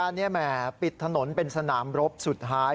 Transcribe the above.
เรียกการปิดถนนเป็นสนามรบสุดท้าย